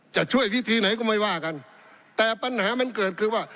จะช่วยวิธีไหนก็ไม่ว่ากันแต่ปัญหามันเกิดคือว่า